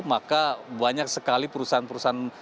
maka banyak sekali perusahaan perusahaan